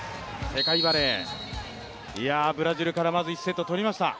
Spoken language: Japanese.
世界バレー、ブラジルからまず１セットを取りました。